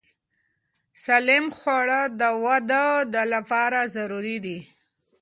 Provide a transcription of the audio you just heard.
سالم خواړه د وده لپاره ضروري دي.